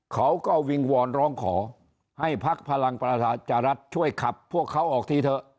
เขาก็วิงวอนร้องขอให้ภักดิ์พลังประชารัฐช่วยขับพวกเขาออกทีเถอะ